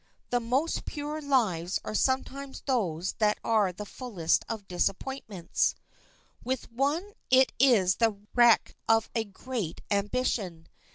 The most pure lives are sometimes those that are the fullest of disappointments. With one it is the wreck of a great ambition.